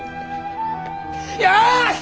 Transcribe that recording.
よし！